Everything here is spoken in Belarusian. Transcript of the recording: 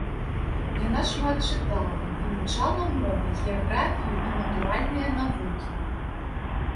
Яна шмат чытала, вывучала мовы, геаграфію і натуральныя навукі.